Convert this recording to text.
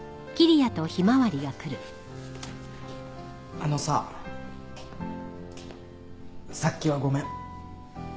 あのささっきはごめん。